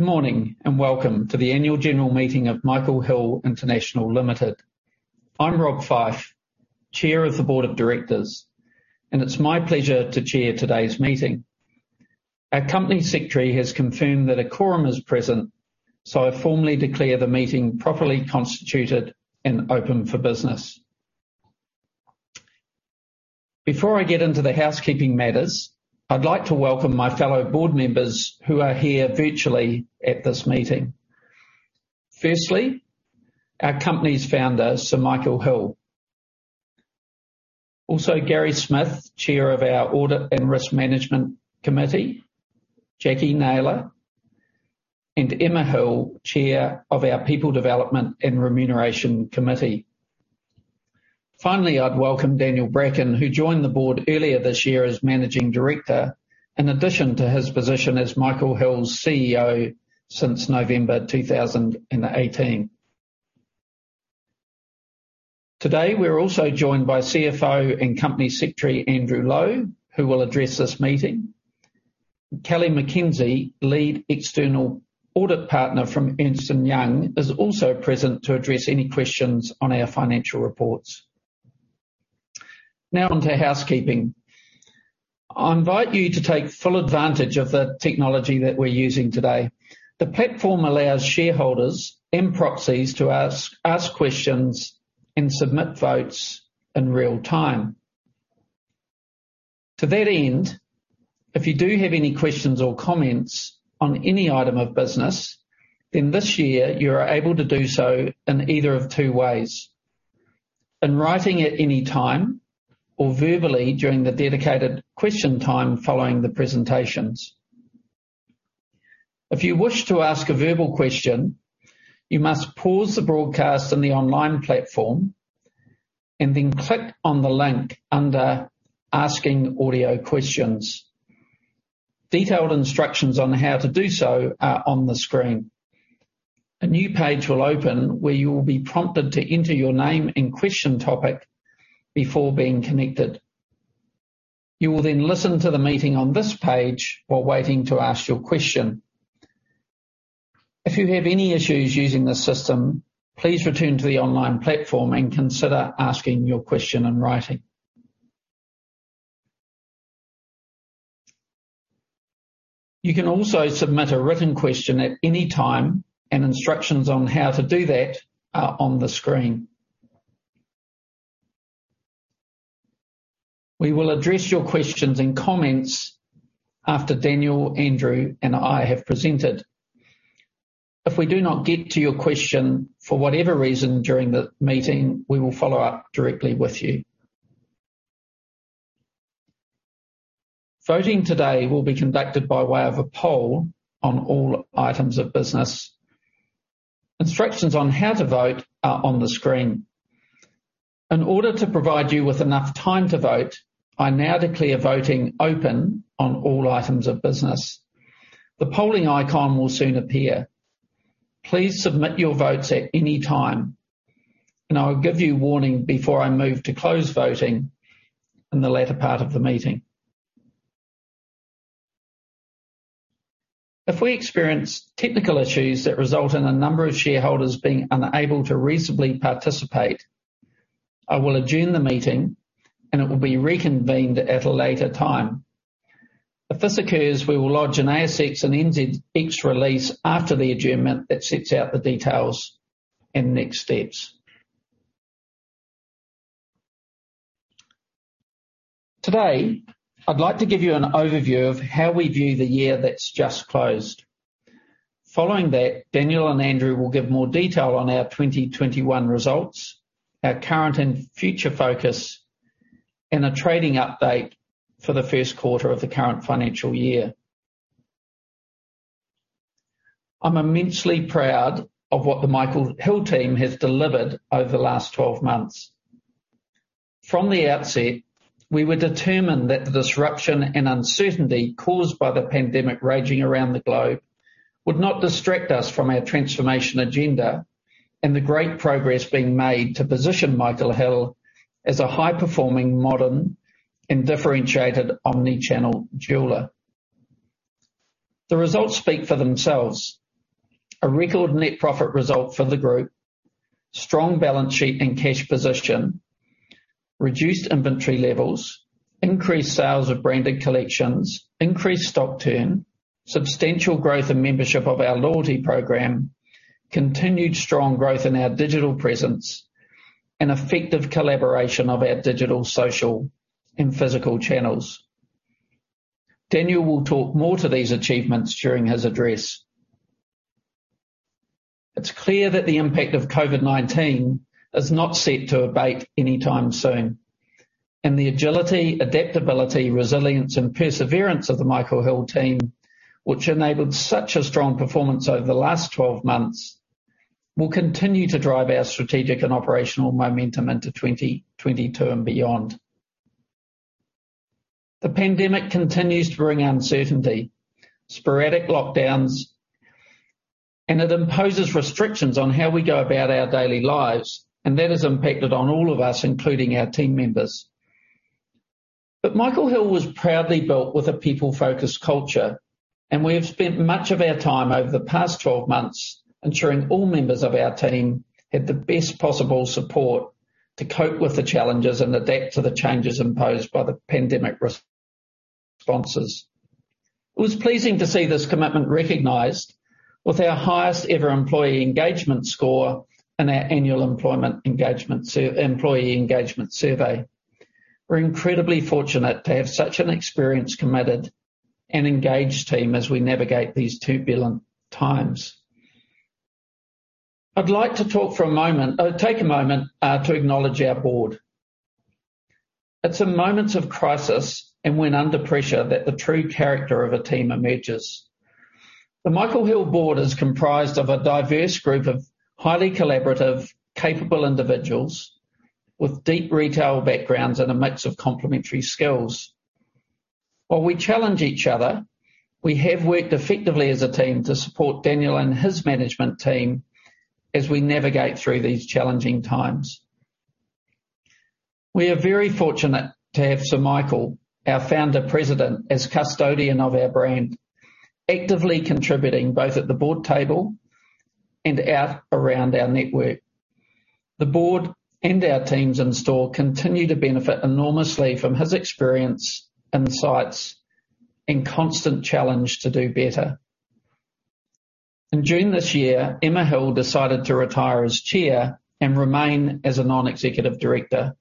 Good morning, and welcome to the Annual General Meeting of Michael Hill International Limited. I'm Rob Fyfe, Chair of the Board of Directors, and it's my pleasure to chair today's meeting. Our company secretary has confirmed that a quorum is present, so I formally declare the meeting properly constituted and open for business. Before I get into the housekeeping matters, I'd like to welcome my fellow board members who are here virtually at this meeting. Firstly, our company's founder, Sir Michael Hill. Also, Gary Smith, Chair of our Audit and Risk Management Committee, Jacquie Naylor, and Emma Hill, Chair of our People Development and Remuneration Committee. Finally, I'd welcome Daniel Bracken, who joined the board earlier this year as Managing Director, in addition to his position as Michael Hill's CEO since November 2018. Today, we're also joined by CFO and Company Secretary, Andrew Lowe, who will address this meeting. Kellie McKenzie, lead external audit partner from Ernst & Young, is also present to address any questions on our financial reports. Now on to housekeeping. I invite you to take full advantage of the technology that we're using today. The platform allows shareholders and proxies to ask questions and submit votes in real time. To that end, if you do have any questions or comments on any item of business, then this year you are able to do so in either of two ways. In writing at any time, or verbally during the dedicated question time following the presentations. If you wish to ask a verbal question, you must pause the broadcast on the online platform and then click on the link under Asking Audio Questions. Detailed instructions on how to do so are on the screen. A new page will open where you will be prompted to enter your name and question topic before being connected. You will then listen to the meeting on this page while waiting to ask your question. If you have any issues using the system, please return to the online platform and consider asking your question in writing. You can also submit a written question at any time, and instructions on how to do that are on the screen. We will address your questions and comments after Daniel, Andrew, and I have presented. If we do not get to your question for whatever reason during the meeting, we will follow up directly with you. Voting today will be conducted by way of a poll on all items of business. Instructions on how to vote are on the screen. In order to provide you with enough time to vote, I now declare voting open on all items of business. The polling icon will soon appear. Please submit your votes at any time, and I will give you warning before I move to close voting in the latter part of the meeting. If we experience technical issues that result in a number of shareholders being unable to reasonably participate, I will adjourn the meeting and it will be reconvened at a later time. If this occurs, we will lodge an ASX and NZX release after the adjournment that sets out the details and next steps. Today, I'd like to give you an overview of how we view the year that's just closed. Following that, Daniel and Andrew will give more detail on our 2021 results, our current and future focus, and a trading update for the first quarter of the current financial year. I'm immensely proud of what the Michael Hill team has delivered over the last 12 months. From the outset, we were determined that the disruption and uncertainty caused by the pandemic raging around the globe would not distract us from our transformation agenda and the great progress being made to position Michael Hill as a high-performing, modern, and differentiated omnichannel jeweler. The results speak for themselves. A record net profit result for the group, strong balance sheet and cash position, reduced inventory levels, increased sales of branded collections, increased stock turn, substantial growth in membership of our loyalty program, continued strong growth in our digital presence, and effective collaboration of our digital, social, and physical channels. Daniel will talk more to these achievements during his address. It's clear that the impact of COVID-19 is not set to abate anytime soon, and the agility, adaptability, resilience, and perseverance of the Michael Hill team, which enabled such a strong performance over the last 12 months, will continue to drive our strategic and operational momentum into 2022 and beyond. The pandemic continues to bring uncertainty, sporadic lockdowns, and it imposes restrictions on how we go about our daily lives, and that has impacted on all of us, including our team members. Michael Hill was proudly built with a people-focused culture, and we have spent much of our time over the past 12 months ensuring all members of our team have the best possible support to cope with the challenges and adapt to the changes imposed by the pandemic responses. It was pleasing to see this commitment recognized with our highest-ever employee engagement score in our annual employee engagement survey. We're incredibly fortunate to have such an experienced, committed, and engaged team as we navigate these turbulent times. I'd like to take a moment to acknowledge our board. It's in moments of crisis and when under pressure that the true character of a team emerges. The Michael Hill board is comprised of a diverse group of highly collaborative, capable individuals with deep retail backgrounds and a mix of complementary skills. While we challenge each other, we have worked effectively as a team to support Daniel and his management team as we navigate through these challenging times. We are very fortunate to have Sir Michael Hill, our Founder President, as custodian of our brand, actively contributing both at the board table and out around our network. The board and our teams in store continue to benefit enormously from his experience, insights, and constant challenge to do better. In June this year, Emma Hill decided to retire as Chair and remain as a Non-Executive Director.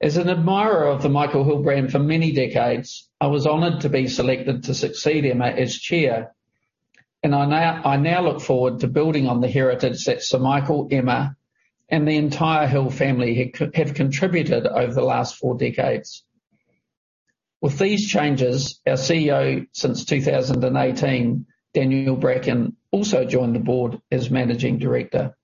As an admirer of the Michael Hill brand for many decades, I was honored to be selected to succeed Emma as Chair, and I now look forward to building on the heritage that Sir Michael Hill, Emma, and the entire Hill family have contributed over the last four decades. With these changes, our CEO since 2018, Daniel Bracken, also joined the board as Managing Director.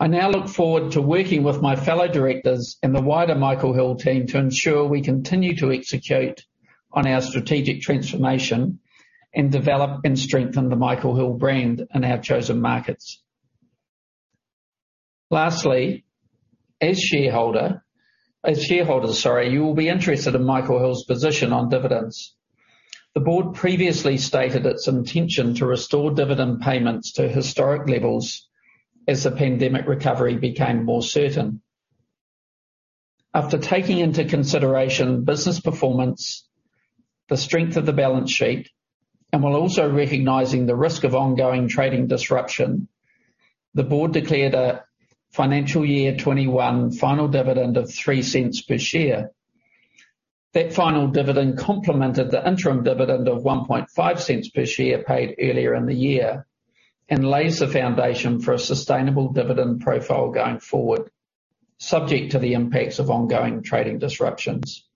I now look forward to working with my fellow directors and the wider Michael Hill team to ensure we continue to execute on our strategic transformation and develop and strengthen the Michael Hill brand in our chosen markets. Lastly, as shareholders, you will be interested in Michael Hill's position on dividends. The board previously stated its intention to restore dividend payments to historic levels as the pandemic recovery became more certain. After taking into consideration business performance, the strength of the balance sheet, and while also recognizing the risk of ongoing trading disruption, the board declared a financial year 2021 final dividend of 0.03 per share. That final dividend complemented the interim dividend of 0.015 per share paid earlier in the year and lays the foundation for a sustainable dividend profile going forward, subject to the impacts of ongoing trading disruptions.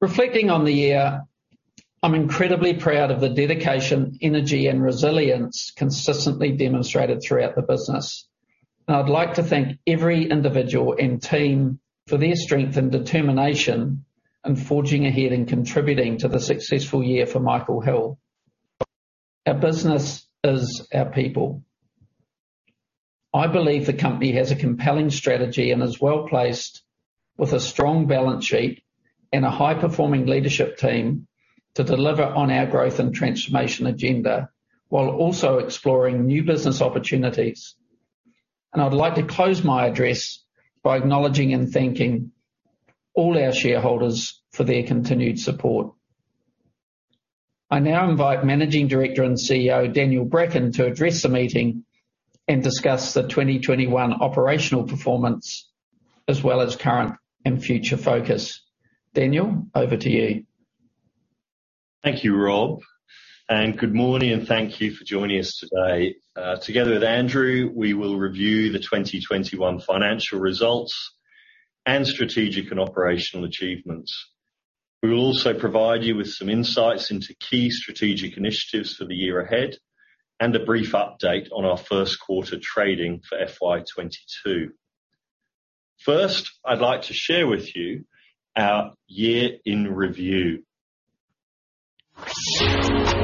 Reflecting on the year, I'm incredibly proud of the dedication, energy, and resilience consistently demonstrated throughout the business. I'd like to thank every individual and team for their strength and determination in forging ahead and contributing to the successful year for Michael Hill. Our business is our people. I believe the company has a compelling strategy and is well-placed with a strong balance sheet and a high-performing leadership team to deliver on our growth and transformation agenda, while also exploring new business opportunities. I'd like to close my address by acknowledging and thanking all our shareholders for their continued support. I now invite Managing Director and CEO, Daniel Bracken, to address the meeting and discuss the 2021 operational performance, as well as current and future focus. Daniel, over to you. Thank you, Rob, and good morning and thank you for joining us today. Together with Andrew, we will review the 2021 financial results and strategic and operational achievements. We will also provide you with some insights into key strategic initiatives for the year ahead and a brief update on our first quarter trading for FY 2022. First, I'd like to share with you our year in review. You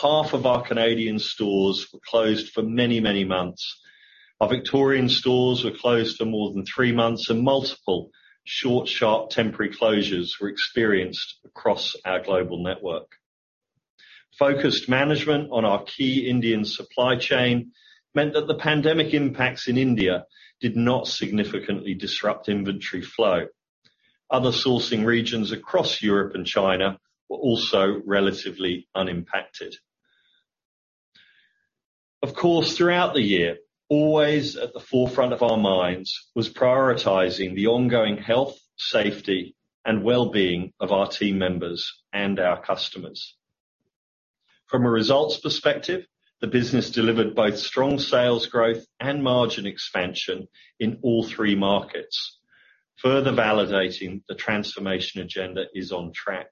Half of our Canadian stores were closed for many, many months. Our Victorian stores were closed for more than 3 months, and multiple short, sharp temporary closures were experienced across our global network. Focused management on our key Indian supply chain meant that the pandemic impacts in India did not significantly disrupt inventory flow. Other sourcing regions across Europe and China were also relatively unimpacted. Of course, throughout the year, always at the forefront of our minds was prioritizing the ongoing health, safety, and well-being of our team members and our customers. From a results perspective, the business delivered both strong sales growth and margin expansion in all three markets, further validating the transformation agenda is on track.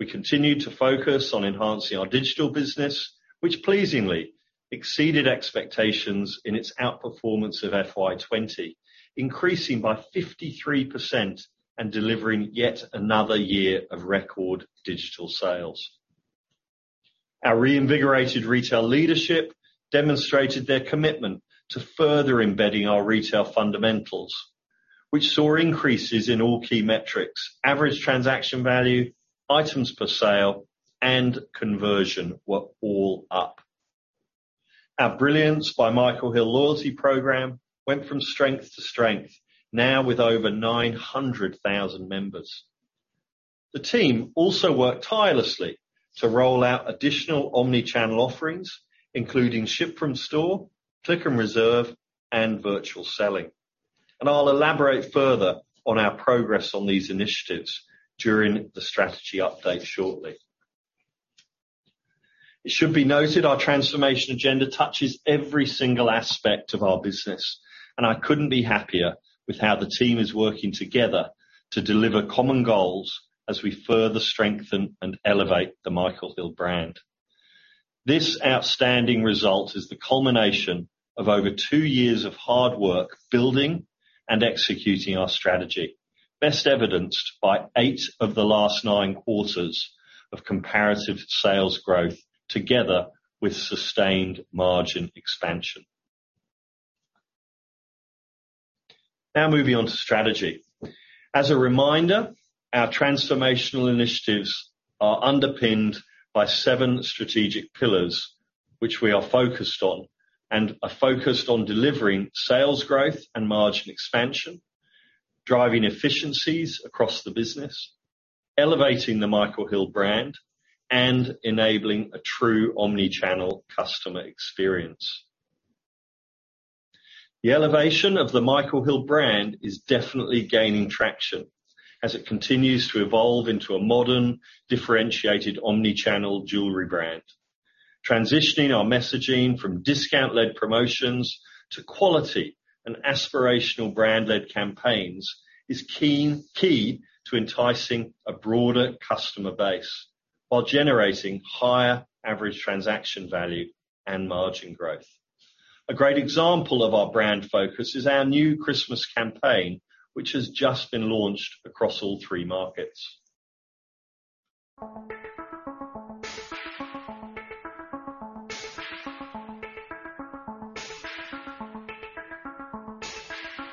We continued to focus on enhancing our digital business which pleasingly exceeded expectations in its outperformance of FY 2020 increasing by 53% and delivering yet another year of record digital sales. Our reinvigorated retail leadership demonstrated their commitment to further embedding our retail fundamentals, which saw increases in all key metrics. Average transaction value items per sale and conversion were all up. Our Brilliance by Michael Hill loyalty program went from strength to strength, now with over 900,000 members. The team also worked tirelessly to roll out additional omnichannel offerings including ship from store click and reserve and virtual selling and I'll elaborate further on our progress on these initiatives during the strategy update shortly. It should be noted our transformation agenda touches every single aspect of our business and I couldn't be happier with how the team is working together to deliver common goals as we further strengthen and elevate the Michael Hill brand. This outstanding result is the culmination of over two years of hard work building and executing our strategy best evidenced by eight of the last nine quarters of comparative sales growth together with sustained margin expansion. Now moving onto strategy. As a reminder, our transformational initiatives are underpinned by seven strategic pillars which we are focused on delivering sales growth and margin expansion driving efficiencies across the business elevating the Michael Hill brand and enabling a true omnichannel customer experience. The elevation of the Michael Hill brand is definitely gaining traction as it continues to evolve into a modern differentiated omnichannel jewelry brand transitioning our messaging from discount-led promotions to quality and aspirational brand-led campaigns is key to enticing a broader customer base while generating higher average transaction value and margin growth. A great example of our brand focus is our new Christmas campaign which has just been launched across all three markets.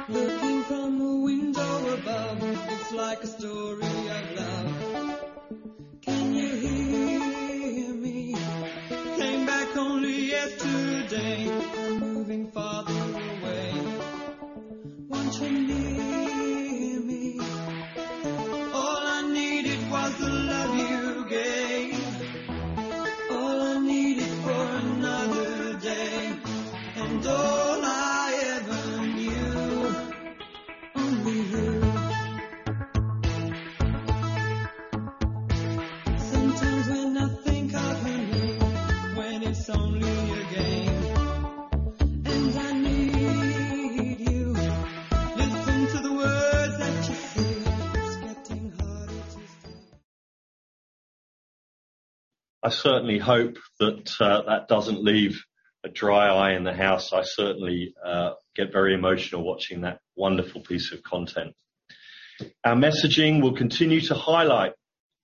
Looking from windows above. Looks like a story of love. Can you hear me? Came back only yesterday, moving farther away, watching you. All I needed for another day. All I ever knew: only you. Sometimes when I think of you, when it's only a game. I need you. Listen to the words that you say. It's getting harder to stay. I certainly hope that doesn't leave a dry eye in the house. I certainly get very emotional watching that wonderful piece of content. Our messaging will continue to highlight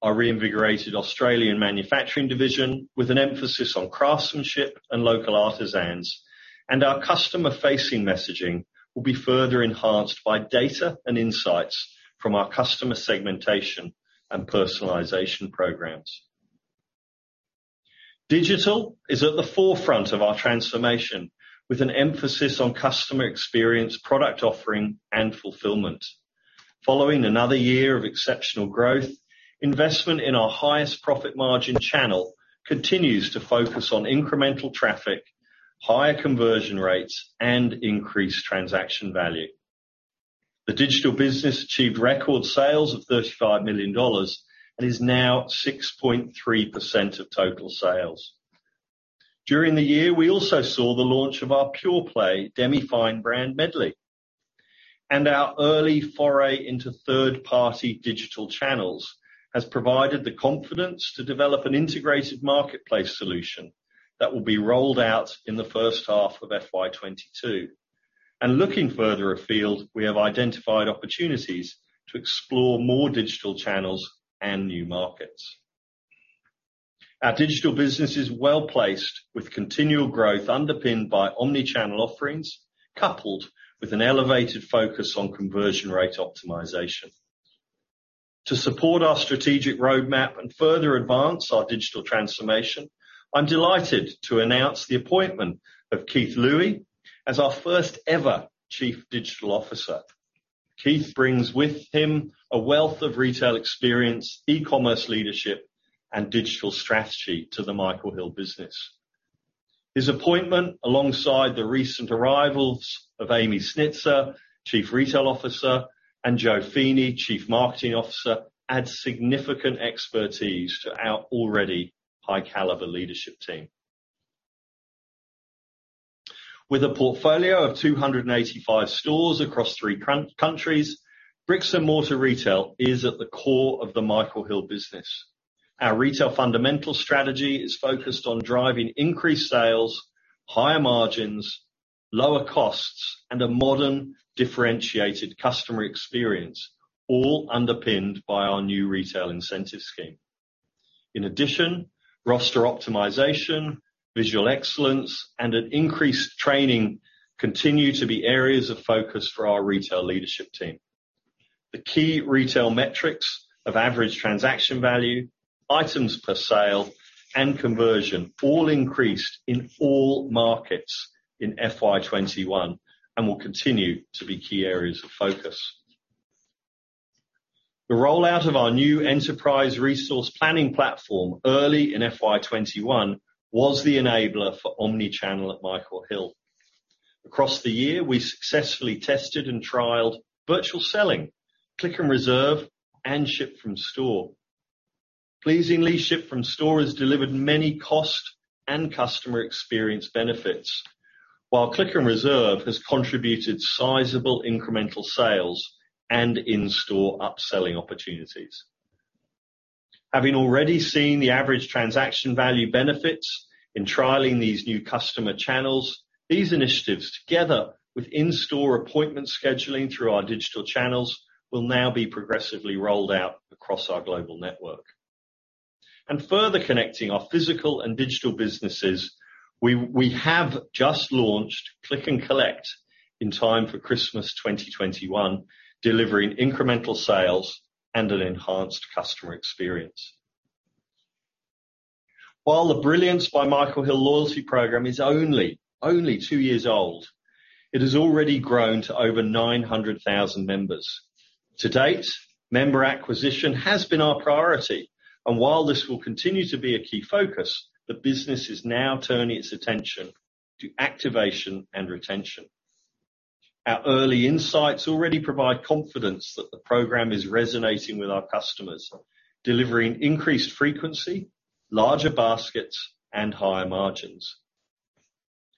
our reinvigorated Australian manufacturing division, with an emphasis on craftsmanship and local artisans. Our customer-facing messaging will be further enhanced by data and insights from our customer segmentation and personalization programs. Digital is at the forefront of our transformation, with an emphasis on customer experience, product offering, and fulfillment. Following another year of exceptional growth, investment in our highest profit margin channel continues to focus on incremental traffic, higher conversion rates, and increased transaction value. The digital business achieved record sales of 35 million dollars and is now 6.3% of total sales. During the year, we also saw the launch of our pure play demi-fine brand Medley. Our early foray into third-party digital channels has provided the confidence to develop an integrated marketplace solution that will be rolled out in the first half of FY 2022. Looking further afield, we have identified opportunities to explore more digital channels and new markets. Our digital business is well-placed with continual growth underpinned by omnichannel offerings, coupled with an elevated focus on conversion rate optimization. To support our strategic roadmap and further advance our digital transformation, I'm delighted to announce the appointment of Keith Louie as our first ever Chief Digital Officer. Keith brings with him a wealth of retail experience, e-commerce leadership, and digital strategy to the Michael Hill business. His appointment, alongside the recent arrivals of Amy Sznicer, Chief Retail Officer, and Jo Feeney, Chief Marketing Officer, adds significant expertise to our already high caliber leadership team. With a portfolio of 285 stores across three countries, bricks and mortar retail is at the core of the Michael Hill business. Our retail fundamental strategy is focused on driving increased sales, higher margins, lower costs, and a modern, differentiated customer experience, all underpinned by our new retail incentive scheme. In addition, roster optimization, visual excellence, and increased training continue to be areas of focus for our retail leadership team. The key retail metrics of average transaction value, items per sale, and conversion all increased in all markets in FY 2021 and will continue to be key areas of focus. The rollout of our new enterprise resource planning platform early in FY 2021 was the enabler for omnichannel at Michael Hill. Across the year, we successfully tested and trialed virtual selling, click and reserve, and ship from store. Pleasingly, ship from store has delivered many cost and customer experience benefits. While click and reserve has contributed sizable incremental sales and in-store upselling opportunities. Having already seen the average transaction value benefits in trialing these new customer channels, these initiatives, together with in-store appointment scheduling through our digital channels, will now be progressively rolled out across our global network. Further connecting our physical and digital businesses, we have just launched click and collect in time for Christmas 2021, delivering incremental sales and an enhanced customer experience. While the Brilliance by Michael Hill loyalty program is only two years old, it has already grown to over 900,000 members. To date, member acquisition has been our priority, and while this will continue to be a key focus, the business is now turning its attention to activation and retention. Our early insights already provide confidence that the program is resonating with our customers, delivering increased frequency, larger baskets, and higher margins.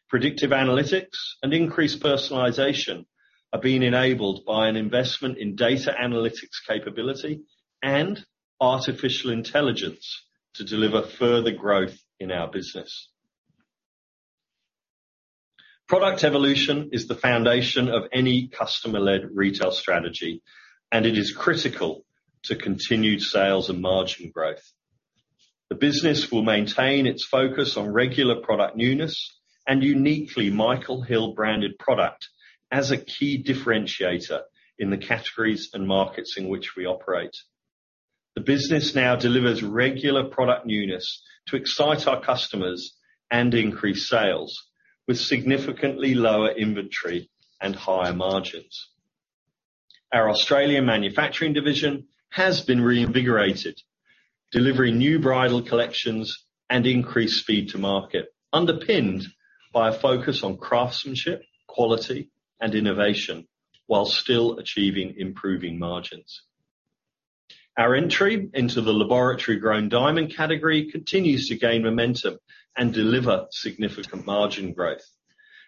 Predictive analytics and increased personalization are being enabled by an investment in data analytics capability and artificial intelligence to deliver further growth in our business. Product evolution is the foundation of any customer-led retail strategy, and it is critical to continued sales and margin growth. The business will maintain its focus on regular product newness and uniquely Michael Hill branded product as a key differentiator in the categories and markets in which we operate. The business now delivers regular product newness to excite our customers and increase sales with significantly lower inventory and higher margins. Our Australian manufacturing division has been reinvigorated, delivering new bridal collections and increased speed to market, underpinned by a focus on craftsmanship, quality, and innovation, while still achieving improving margins. Our entry into the laboratory-grown diamond category continues to gain momentum and deliver significant margin growth.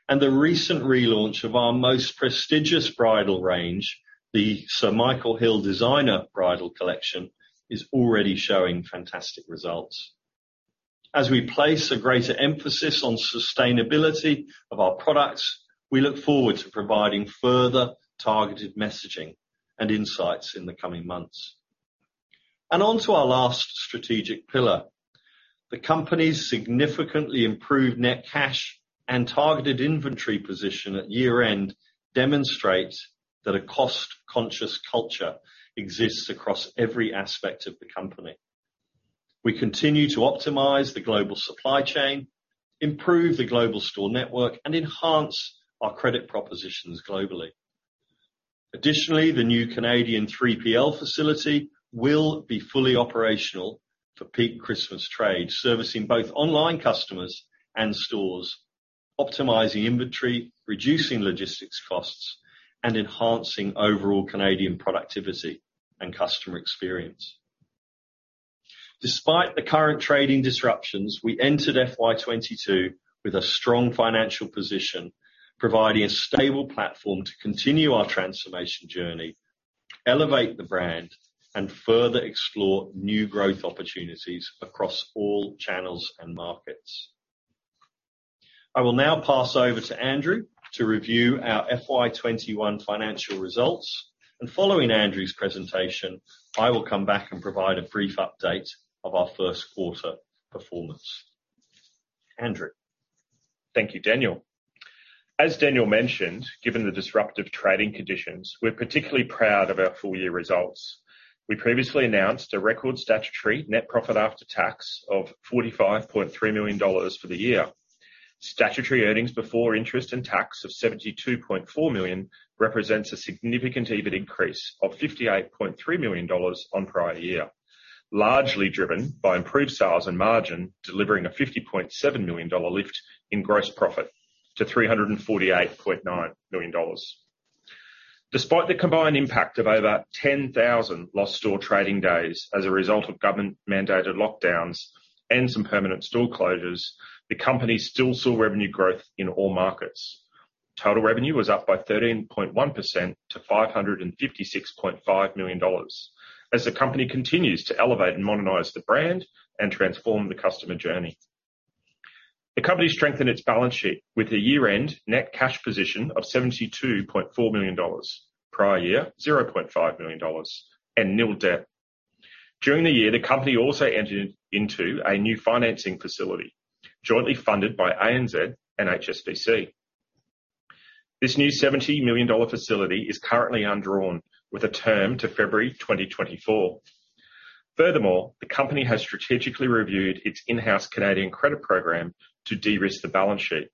The recent relaunch of our most prestigious bridal range, the Sir Michael Hill Designer Bridal Collection, is already showing fantastic results. As we place a greater emphasis on sustainability of our products, we look forward to providing further targeted messaging and insights in the coming months. On to our last strategic pillar. The company's significantly improved net cash and targeted inventory position at year-end demonstrates that a cost-conscious culture exists across every aspect of the company. We continue to optimize the global supply chain, improve the global store network, and enhance our credit propositions globally. Additionally, the new Canadian 3PL facility will be fully operational for peak Christmas trade, servicing both online customers and stores, optimizing inventory, reducing logistics costs, and enhancing overall Canadian productivity and customer experience. Despite the current trading disruptions, we entered FY 2022 with a strong financial position, providing a stable platform to continue our transformation journey, elevate the brand, and further explore new growth opportunities across all channels and markets. I will now pass over to Andrew to review our FY 2021 financial results, and following Andrew's presentation, I will come back and provide a brief update of our first quarter performance. Andrew? Thank you, Daniel. As Daniel mentioned, given the disruptive trading conditions, we're particularly proud of our full-year results. We previously announced a record statutory net profit after tax of AUD 45.3 million for the year. Statutory earnings before interest and tax of 72.4 million represents a significant EBIT increase of 58.3 million dollars on prior year, largely driven by improved sales and margin, delivering a 50.7 million dollar lift in gross profit to 348.9 million dollars. Despite the combined impact of over 10,000 lost store trading days as a result of government-mandated lockdowns and some permanent store closures, the company still saw revenue growth in all markets. Total revenue was up by 13.1% to 556.5 million dollars as the company continues to elevate and modernize the brand and transform the customer journey. The company strengthened its balance sheet with a year-end net cash position of 72.4 million dollars, prior year, 0.5 million dollars and nil debt. During the year, the company also entered into a new financing facility jointly funded by ANZ and HSBC. This new AUD 70 million facility is currently undrawn with a term to February 2024. Furthermore, the company has strategically reviewed its in-house Canadian credit program to de-risk the balance sheet,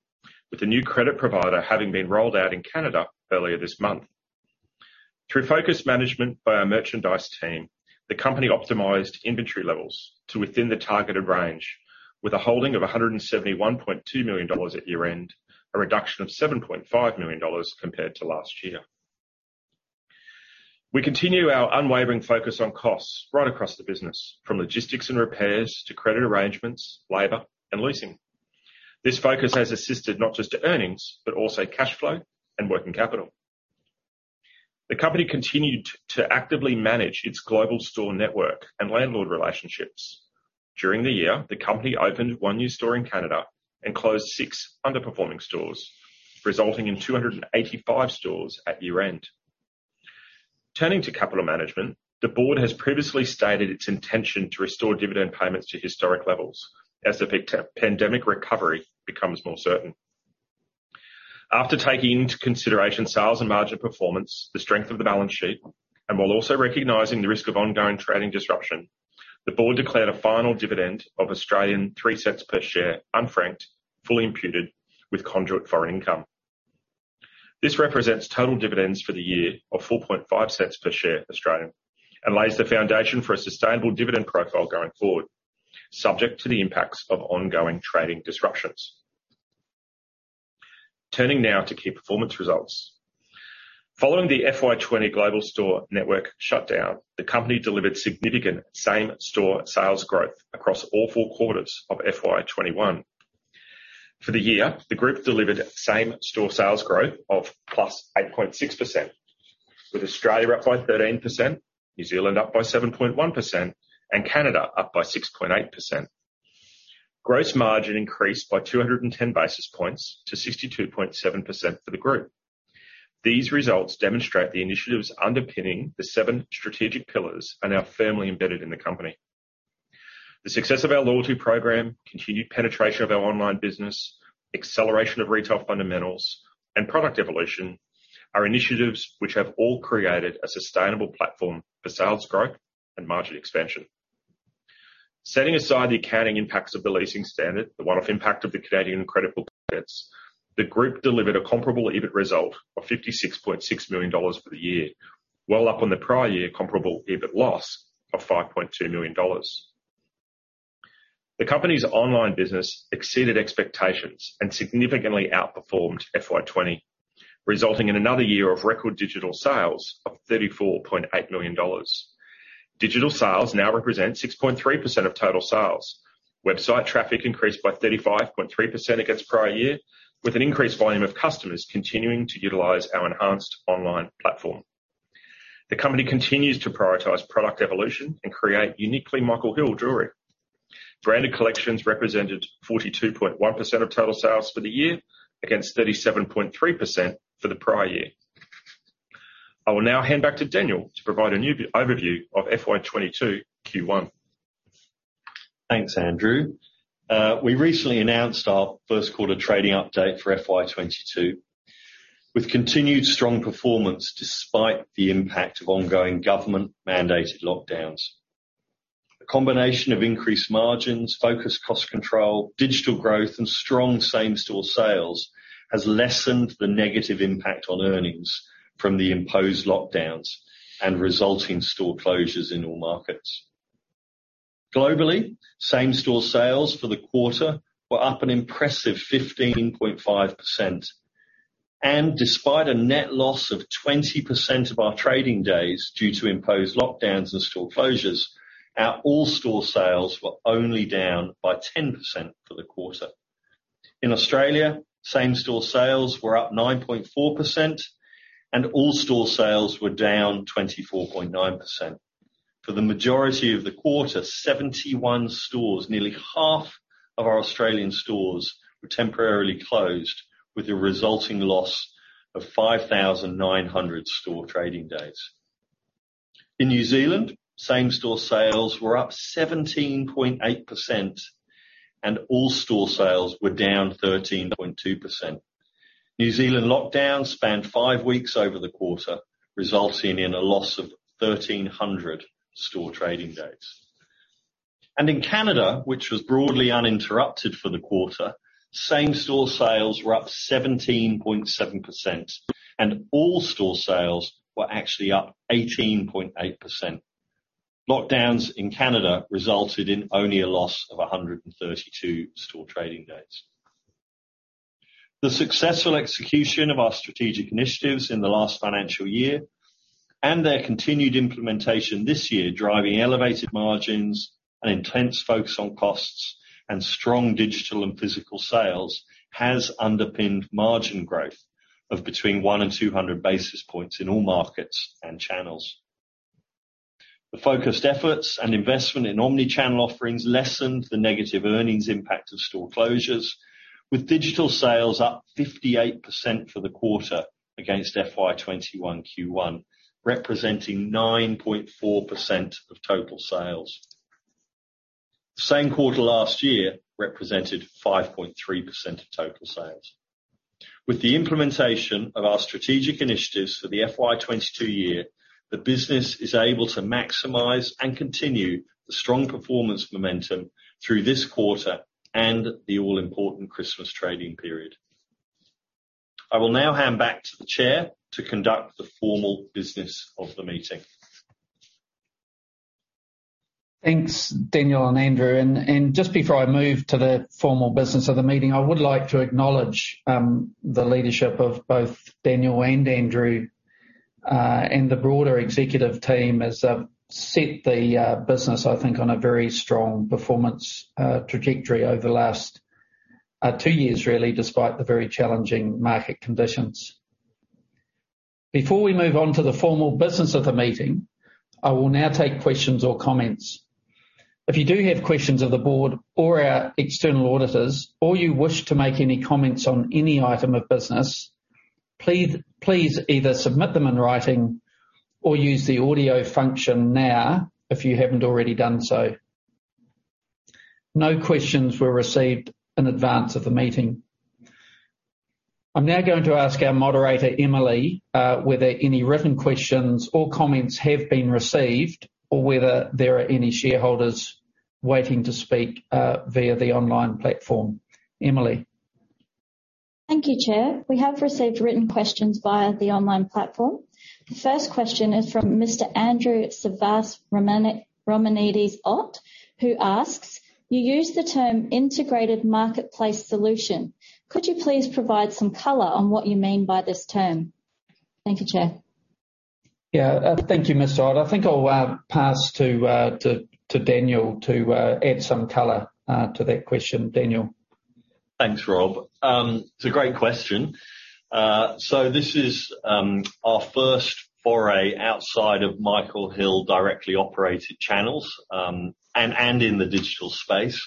with the new credit provider having been rolled out in Canada earlier this month. Through focused management by our merchandise team, the company optimized inventory levels to within the targeted range, with a holding of 171.2 million dollars at year-end, a reduction of 7.5 million dollars compared to last year. We continue our unwavering focus on costs right across the business, from logistics and repairs to credit arrangements, labor and leasing. This focus has assisted not just to earnings, but also cash flow and working capital. The company continued to actively manage its global store network and landlord relationships. During the year, the company opened one new store in Canada and closed six underperforming stores, resulting in 285 stores at year-end. Turning to capital management, the board has previously stated its intention to restore dividend payments to historic levels as the pandemic recovery becomes more certain. After taking into consideration sales and margin performance, the strength of the balance sheet, and while also recognizing the risk of ongoing trading disruption, the board declared a final dividend of 0.03 per share unfranked, fully imputed with conduit foreign income. This represents total dividends for the year of 0.045 per share Australian, and lays the foundation for a sustainable dividend profile going forward, subject to the impacts of ongoing trading disruptions. Turning now to key performance results. Following the FY 2020 global store network shutdown, the company delivered significant same-store sales growth across all four quarters of FY 2021. For the year, the group delivered same-store sales growth of +8.6%, with Australia up by 13%, New Zealand up by 7.1%, and Canada up by 6.8%. Gross margin increased by 210 basis points to 62.7% for the group. These results demonstrate the initiatives underpinning the seven strategic pillars are now firmly embedded in the company. The success of our loyalty program, continued penetration of our online business, acceleration of retail fundamentals, and product evolution are initiatives which have all created a sustainable platform for sales growth and margin expansion. Setting aside the accounting impacts of the leasing standard, the one-off impact of the Canadian credit book debts, the group delivered a comparable EBIT result of 56.6 million dollars for the year, well up on the prior year comparable EBIT loss of 5.2 million dollars. The company's online business exceeded expectations and significantly outperformed FY 2020, resulting in another year of record digital sales of 34.8 million dollars. Digital sales now represent 6.3% of total sales. Website traffic increased by 35.3% against prior year, with an increased volume of customers continuing to utilize our enhanced online platform. The company continues to prioritize product evolution and create uniquely Michael Hill jewelry. Branded collections represented 42.1% of total sales for the year against 37.3% for the prior year. I will now hand back to Daniel to provide a new overview of FY 2022 Q1. Thanks, Andrew. We recently announced our first quarter trading update for FY 2022 with continued strong performance despite the impact of ongoing government-mandated lockdowns. A combination of increased margins, focused cost control, digital growth, and strong same-store sales has lessened the negative impact on earnings from the imposed lockdowns and resulting store closures in all markets. Globally, same-store sales for the quarter were up an impressive 15.5%. Despite a net loss of 20% of our trading days due to imposed lockdowns and store closures, our overall store sales were only down by 10% for the quarter. In Australia, same-store sales were up 9.4% and overall store sales were down 24.9%. For the majority of the quarter, 71 stores, nearly half of our Australian stores, were temporarily closed with a resulting loss of 5,900 store trading days. In New Zealand, same-store sales were up 17.8% and all store sales were down 13.2%. New Zealand lockdown spanned five weeks over the quarter, resulting in a loss of 1,300 store trading days. In Canada, which was broadly uninterrupted for the quarter, same-store sales were up 17.7%, and all store sales were actually up 18.8%. Lockdowns in Canada resulted in only a loss of 132 store trading days. The successful execution of our strategic initiatives in the last financial year and their continued implementation this year, driving elevated margins and intense focus on costs and strong digital and physical sales, has underpinned margin growth of between 100 and 200 basis points in all markets and channels. The focused efforts and investment in omnichannel offerings lessened the negative earnings impact of store closures, with digital sales up 58% for the quarter against FY 2021 Q1, representing 9.4% of total sales. The same quarter last year represented 5.3% of total sales. With the implementation of our strategic initiatives for the FY 2022 year, the business is able to maximize and continue the strong performance momentum through this quarter and the all-important Christmas trading period. I will now hand back to the chair to conduct the formal business of the meeting. Thanks, Daniel and Andrew. Just before I move to the formal business of the meeting, I would like to acknowledge the leadership of both Daniel and Andrew and the broader executive team as they've set the business, I think, on a very strong performance trajectory over the last two years, really, despite the very challenging market conditions. Before we move on to the formal business of the meeting, I will now take questions or comments. If you do have questions of the board or our external auditors, or you wish to make any comments on any item of business, please either submit them in writing or use the audio function now if you haven't already done so. No questions were received in advance of the meeting. I'm now going to ask our moderator, Emily, whether any written questions or comments have been received or whether there are any shareholders waiting to speak, via the online platform. Emily? Thank you, Chair. We have received written questions via the online platform. The first question is from Mr. Andrew Savvas Romanidis-Ott, who asks, "You use the term integrated marketplace solution. Could you please provide some color on what you mean by this term?" Thank you, Chair. Yeah, thank you, Mr. Ott. I think I'll pass to Daniel to add some color to that question. Daniel? Thanks, Rob. It's a great question. This is our first foray outside of Michael Hill directly operated channels in the digital space.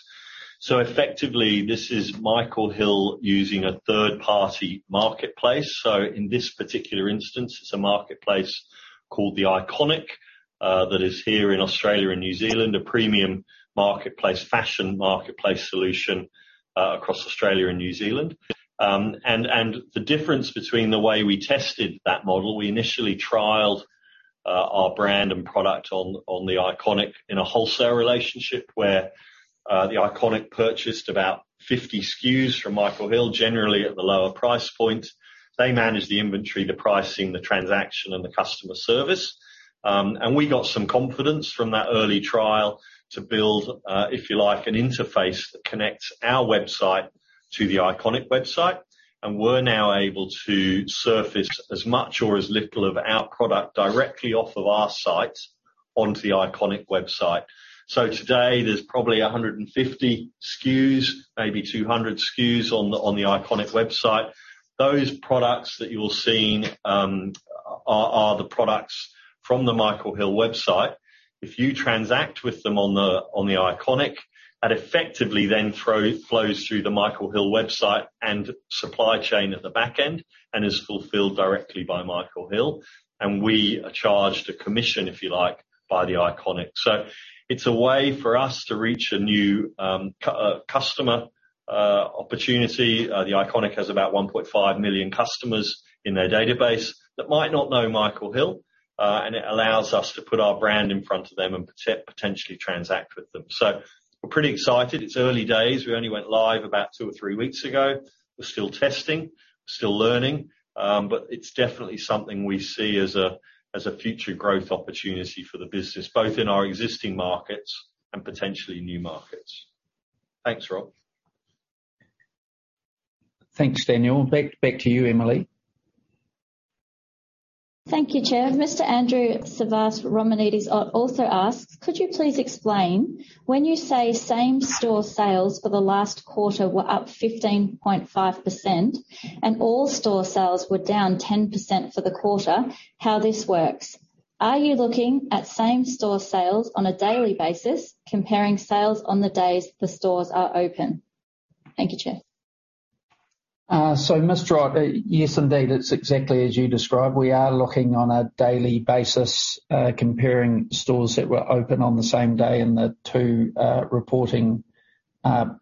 Effectively, this is Michael Hill using a third-party marketplace. In this particular instance, it's a marketplace called The Iconic that is here in Australia and New Zealand, a premium marketplace, fashion marketplace solution across Australia and New Zealand. The difference between the way we tested that model, we initially trialed our brand and product on The Iconic in a wholesale relationship where The Iconic purchased about 50 SKUs from Michael Hill, generally at the lower price point. They manage the inventory, the pricing, the transaction, and the customer service. We got some confidence from that early trial to build, if you like, an interface that connects our website to The Iconic website, and we're now able to surface as much or as little of our product directly off of our site onto The Iconic website. Today there's probably 150 SKUs, maybe 200 SKUs on The Iconic website. Those products that you'll see are the products from the Michael Hill website. If you transact with them on The Iconic, that effectively then flows through the Michael Hill website and supply chain at the back end and is fulfilled directly by Michael Hill. We are charged a commission, if you like, by The Iconic. It's a way for us to reach a new customer opportunity. The Iconic has about 1.5 million customers in their database that might not know Michael Hill, and it allows us to put our brand in front of them and potentially transact with them. We're pretty excited. It's early days. We only went live about two or three weeks ago. We're still testing, we're still learning, but it's definitely something we see as a future growth opportunity for the business, both in our existing markets and potentially new markets. Thanks, Rob. Thanks, Daniel. Back to you, Emily. Thank you, Chair. Mr. Andrew Savvas Romanidis-Ott also asks, "Could you please explain when you say same-store sales for the last quarter were up 15.5% and all store sales were down 10% for the quarter, how this works? Are you looking at same-store sales on a daily basis, comparing sales on the days the stores are open?" Thank you, Chair. Mr. Rob, yes, indeed, it's exactly as you described. We are looking on a daily basis, comparing stores that were open on the same day in the two reporting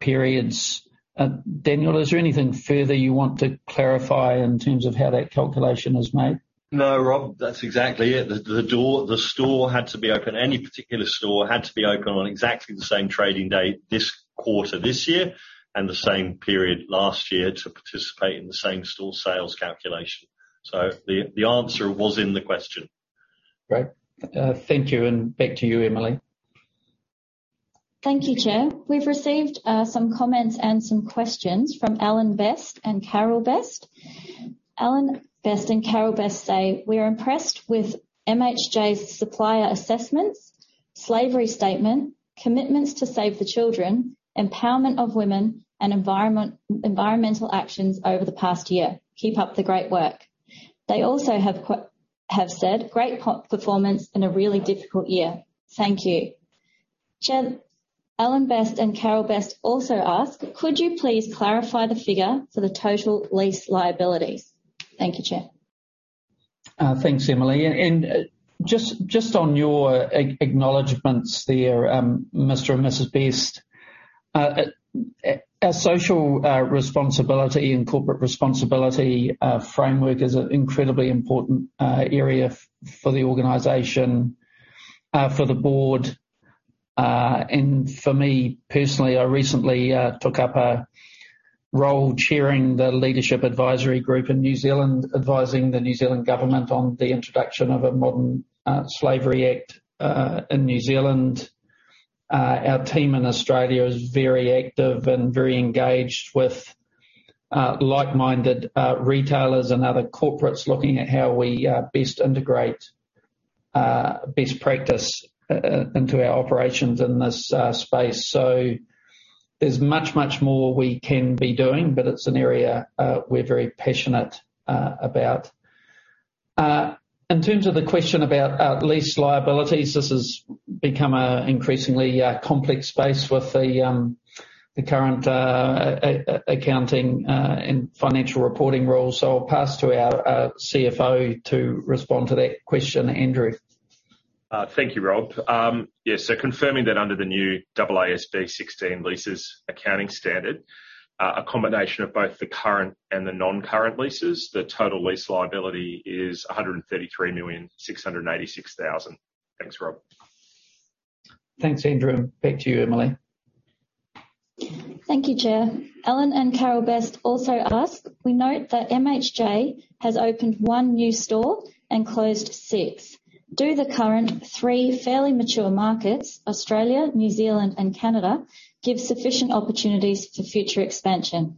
periods. Daniel, is there anything further you want to clarify in terms of how that calculation is made? No, Rob, that's exactly it. The store had to be open. Any particular store had to be open on exactly the same trading date this quarter this year, and the same period last year to participate in the same-store sales calculation. The answer was in the question. Great. Thank you. Back to you, Emily. Thank you, Chair. We've received some comments and some questions from Alan Best and Carol Best. Alan Best and Carol Best say, "We are impressed with MHJ's supplier assessments, slavery statement, commitments to Save the Children, empowerment of women, and environmental actions over the past year. Keep up the great work." They also have said, "Great performance in a really difficult year. Thank you." Chair, Alan Best and Carol Best also ask, "Could you please clarify the figure for the total lease liabilities?" Thank you, Chair. Thanks, Emily. Just on your acknowledgements there, Mr. and Mrs. Best, our social responsibility and corporate responsibility framework is an incredibly important area for the organization, for the board, and for me personally. I recently took up a role chairing the Leadership Advisory Group in New Zealand, advising the New Zealand government on the introduction of a Modern Slavery Act in New Zealand. Our team in Australia is very active and very engaged with like-minded retailers and other corporates looking at how we best integrate best practice into our operations in this space. There's much more we can be doing, but it's an area we're very passionate about. In terms of the question about our lease liabilities, this has become increasingly complex space with the current accounting and financial reporting rules. I'll pass to our CFO to respond to that question. Andrew. Thank you, Rob. Yeah. Confirming that under the new AASB 16 leases accounting standard, a combination of both the current and the non-current leases, the total lease liability is 133.686 million. Thanks, Rob. Thanks, Andrew. Back to you, Emily. Thank you, Chair. Alan and Carol Best also ask, "We note that MHJ has opened one new store and closed six. Do the current three fairly mature markets, Australia, New Zealand, and Canada, give sufficient opportunities for future expansion?"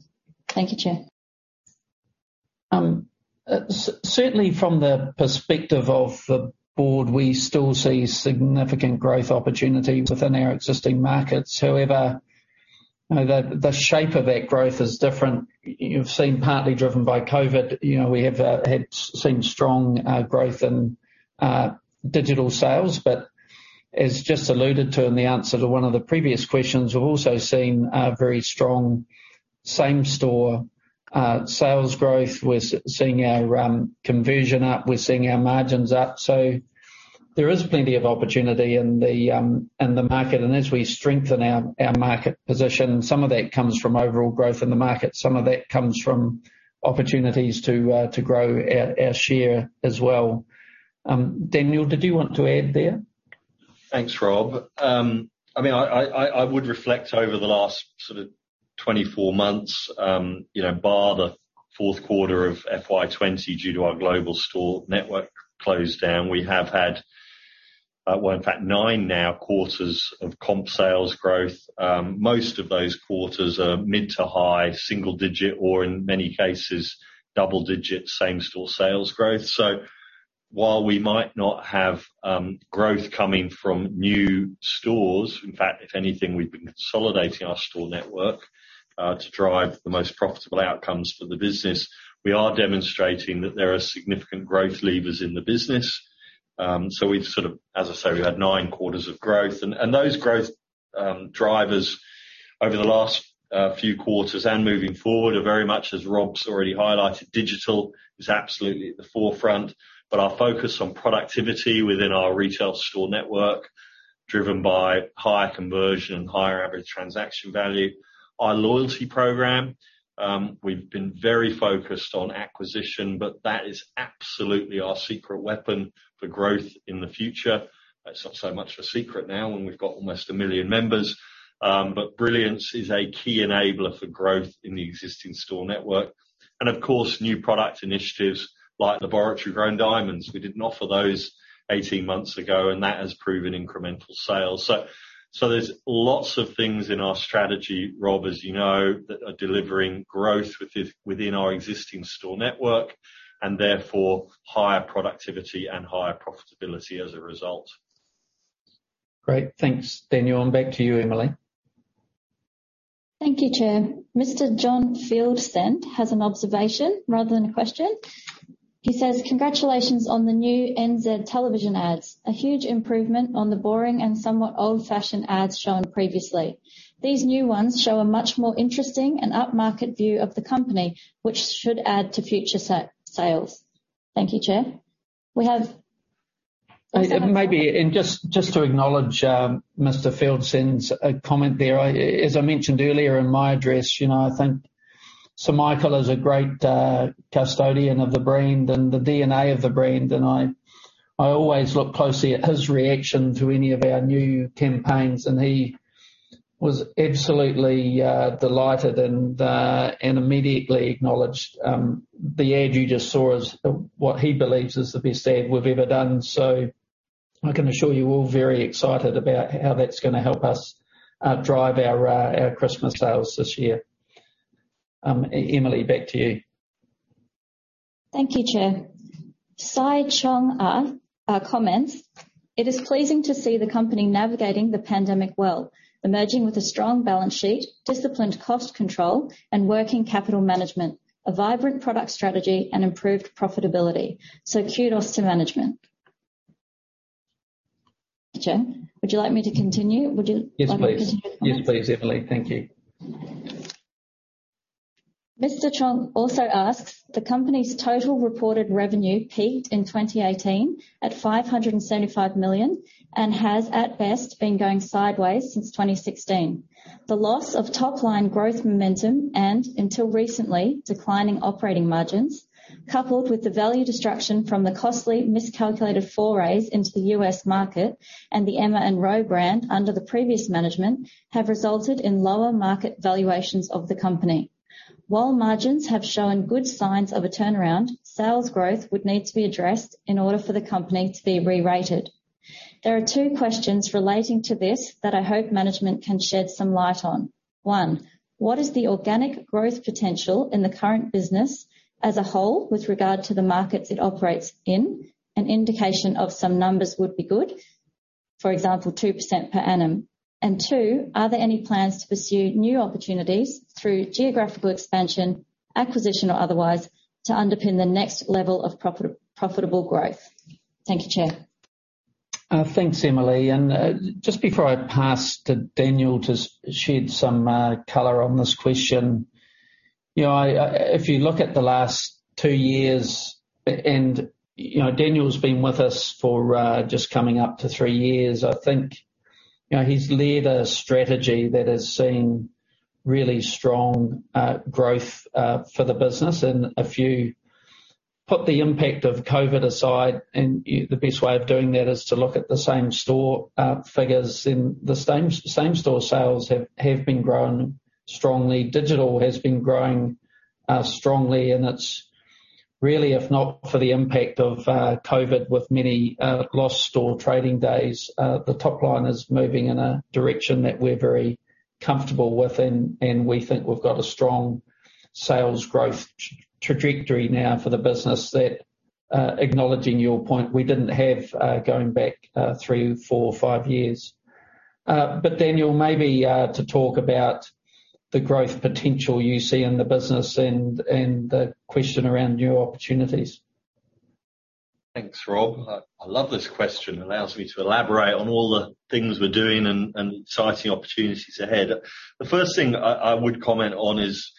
Thank you, Chair. Certainly from the perspective of the board, we still see significant growth opportunities within our existing markets. However, you know, the shape of that growth is different. You've seen partly driven by COVID. You know, we have seen strong growth in digital sales. As just alluded to in the answer to one of the previous questions, we've also seen a very strong same-store sales growth. We're seeing our conversion up. We're seeing our margins up. There is plenty of opportunity in the market. As we strengthen our market position, some of that comes from overall growth in the market. Some of that comes from opportunities to grow our share as well. Daniel, did you want to add there? Thanks, Rob. I mean, I would reflect over the last sort of 24 months, you know, bar the fourth quarter of FY 2020 due to our global store network closed down. We have had, in fact nine now quarters of comp sales growth. Most of those quarters are mid- to high single-digit, or in many cases, double-digit same-store sales growth. While we might not have growth coming from new stores, in fact, if anything, we've been consolidating our store network to drive the most profitable outcomes for the business. We are demonstrating that there are significant growth levers in the business. We've sort of, as I say, had nine quarters of growth. Those growth drivers over the last few quarters and moving forward are very much, as Rob's already highlighted, digital is absolutely at the forefront. Our focus on productivity within our retail store network, driven by higher conversion, higher average transaction value. Our loyalty program, we've been very focused on acquisition, but that is absolutely our secret weapon for growth in the future. It's not so much a secret now when we've got almost a million members. Brilliance is a key enabler for growth in the existing store network. Of course, new product initiatives like laboratory-grown diamonds. We didn't offer those 18 months ago, and that has proven incremental sales. there's lots of things in our strategy, Rob, as you know, that are delivering growth within our existing store network, and therefore higher productivity and higher profitability as a result. Great. Thanks, Daniel. Back to you, Emily. Thank you, Chair. Mr. John Fieldsend has an observation rather than a question. He says, "Congratulations on the new NZ television ads, a huge improvement on the boring and somewhat old-fashioned ads shown previously. These new ones show a much more interesting and upmarket view of the company, which should add to future sales." Thank you, Chair. We have- Maybe, just to acknowledge Mr. Fieldsend's comment there. As I mentioned earlier in my address, you know, I think Sir Michael Hill is a great custodian of the brand and the DNA of the brand, and I always look closely at his reaction to any of our new campaigns, and he was absolutely delighted and immediately acknowledged the ad you just saw as what he believes is the best ad we've ever done. I can assure you we're all very excited about how that's gonna help us drive our Christmas sales this year. Emily, back to you. Thank you, Chair. Sai Chong Ah comments, "It is pleasing to see the company navigating the pandemic well, emerging with a strong balance sheet, disciplined cost control and working capital management, a vibrant product strategy and improved profitability. So kudos to management." Chair, would you like me to continue? Yes, please. Yes, please, Emily. Thank you. Mr. Sai Chong Ah also asks, "The company's total reported revenue peaked in 2018 at 575 million and has, at best, been going sideways since 2016. The loss of top-line growth momentum and, until recently, declining operating margins, coupled with the value destruction from the costly miscalculated forays into the U.S. market and the Emma & Roe brand under the previous management, have resulted in lower market valuations of the company. While margins have shown good signs of a turnaround, sales growth would need to be addressed in order for the company to be re-rated. There are two questions relating to this that I hope management can shed some light on. One, what is the organic growth potential in the current business as a whole with regard to the markets it operates in? An indication of some numbers would be good. For example, 2% per annum. Two, are there any plans to pursue new opportunities through geographical expansion, acquisition or otherwise, to underpin the next level of profitable growth? Thank you, Chair. Thanks, Emily. Just before I pass to Daniel to shed some color on this question. You know, if you look at the last two years and, you know, Daniel's been with us for just coming up to three years, I think, you know, he's led a strategy that has seen really strong growth for the business. If you put the impact of COVID aside, and the best way of doing that is to look at the same-store figures, and the same-store sales have been growing strongly. Digital has been growing strongly, and it's really, if not for the impact of COVID with many lost store trading days, the top line is moving in a direction that we're very comfortable with and we think we've got a strong sales growth trajectory now for the business that, acknowledging your point, we didn't have going back three, four, five years. Daniel, maybe to talk about the growth potential you see in the business and the question around new opportunities. Thanks, Rob. I love this question. It allows me to elaborate on all the things we're doing and the exciting opportunities ahead. The first thing I would comment on is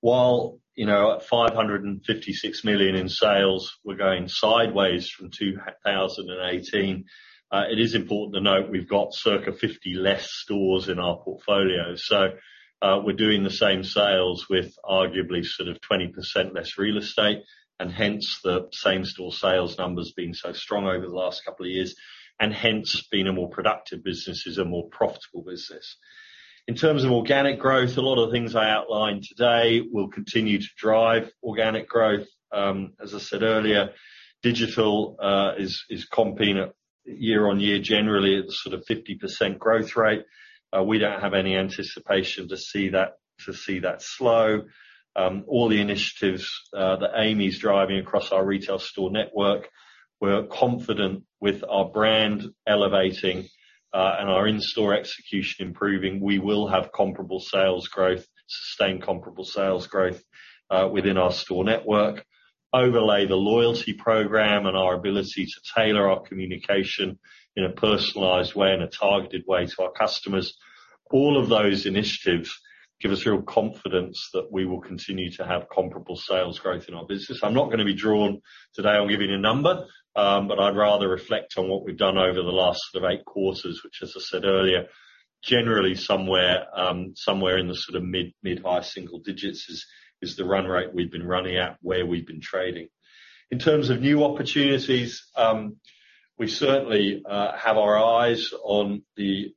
while you know at 556 million in sales we're going sideways from 2018 it is important to note we've got circa 50 less stores in our portfolio. We're doing the same sales with arguably sort of 20% less real estate and hence the same-store sales numbers being so strong over the last couple of years and hence being a more productive business is a more profitable business. In terms of organic growth a lot of the things I outlined today will continue to drive organic growth. As I said earlier, digital is comping year on year generally at the sort of 50% growth rate. We don't have any anticipation to see that slow. All the initiatives that Amy's driving across our retail store network, we're confident with our brand elevating and our in-store execution improving, we will have comparable sales growth, sustained comparable sales growth within our store network. Overlay the loyalty program and our ability to tailor our communication in a personalized way and a targeted way to our customers. All of those initiatives give us real confidence that we will continue to have comparable sales growth in our business. I'm not gonna be drawn today on giving a number, but I'd rather reflect on what we've done over the last sort of eight quarters, which as I said earlier, generally somewhere in the sort of mid-high single digits is the run rate we've been running at, where we've been trading. In terms of new opportunities, we certainly have our eyes on the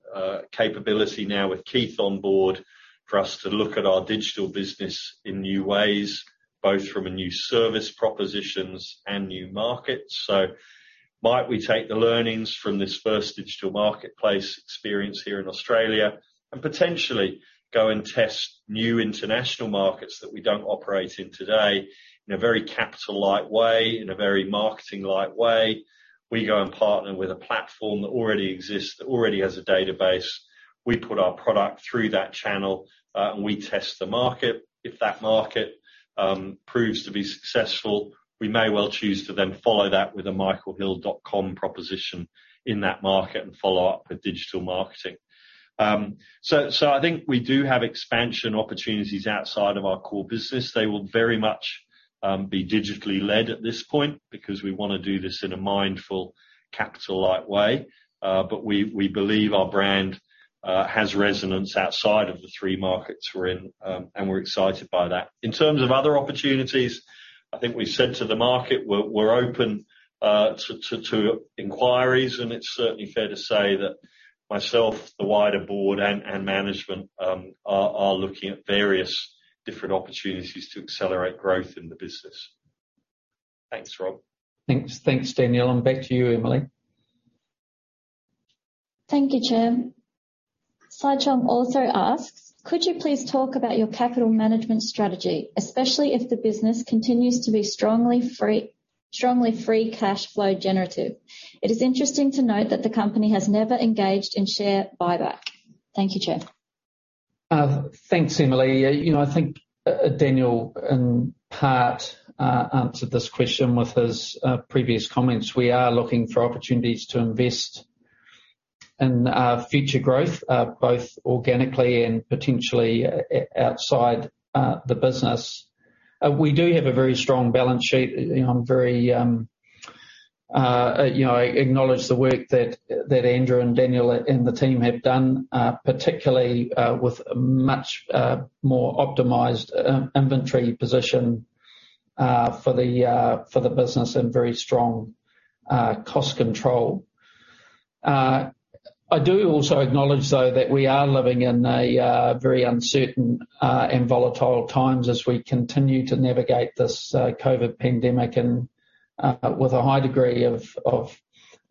capability now with Keith on board for us to look at our digital business in new ways, both from a new service propositions and new markets. Might we take the learnings from this first digital marketplace experience here in Australia and potentially go and test new international markets that we don't operate in today in a very capital-light way, in a very marketing-light way. We go and partner with a platform that already exists, that already has a database. We put our product through that channel, and we test the market. If that market proves to be successful, we may well choose to then follow that with a michaelhill.com proposition in that market and follow up with digital marketing. I think we do have expansion opportunities outside of our core business. They will very much be digitally led at this point because we wanna do this in a mindful capital-light way. We believe our brand has resonance outside of the three markets we're in, and we're excited by that. In terms of other opportunities, I think we said to the market, we're open to inquiries, and it's certainly fair to say that myself, the wider board and management are looking at various different opportunities to accelerate growth in the business. Thanks, Rob. Thanks. Thanks, Daniel. Back to you, Emily. Thank you, Chair. Sai Chong Ah also asks, "Could you please talk about your capital management strategy, especially if the business continues to be strongly free cash flow generative? It is interesting to note that the company has never engaged in share buyback." Thank you, Chair. Thanks, Emily. You know, I think Daniel in part answered this question with his previous comments. We are looking for opportunities to invest in future growth, both organically and potentially outside the business. We do have a very strong balance sheet. You know, I'm very, you know, I acknowledge the work that Andrew and Daniel and the team have done, particularly with much more optimized inventory position for the business and very strong cost control. I do also acknowledge, though, that we are living in a very uncertain and volatile times as we continue to navigate this COVID pandemic and with a high degree of